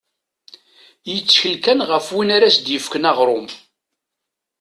Yettkel kan ɣef win ara as-d-yefken aɣrum.